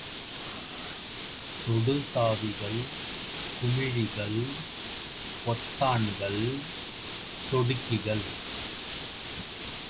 தொடுசாவிகள், குமிழிகள், பொத்தான்கள், சொடுக்கிகள்.